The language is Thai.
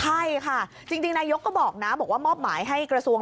ใช่ค่ะจริงนายกก็บอกนะบอกว่ามอบหมายให้กระทรวง